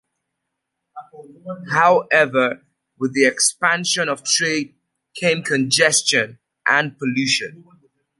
However, with the expansion of trade came congestion and pollution.